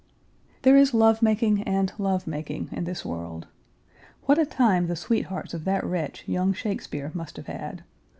There is love making and love making in this world. What a time the sweethearts of that wretch, young Shakespeare, must have had.